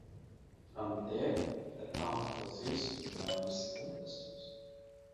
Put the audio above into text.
From there, the talk proceeds to manners and customs.